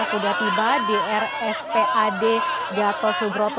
sudah tiba di rspad gatot subroto